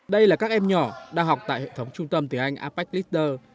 đây là các em nhỏ đang học tại hệ thống trung tâm tiếng anh apex glitter